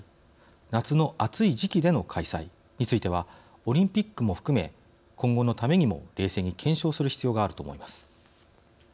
夏の暑い時期での開催についてはオリンピックも含め今後のためにも冷静に検証する必要があると思います。